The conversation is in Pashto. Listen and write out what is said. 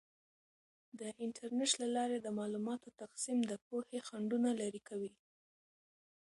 د انټرنیټ له لارې د معلوماتو تقسیم د پوهې خنډونه لرې کوي.